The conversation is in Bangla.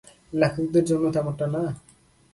লেখকদের জন্য তেমনটা না?